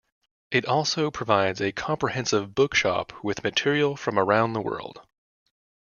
It also provides a comprehensive bookshop with material from around the world.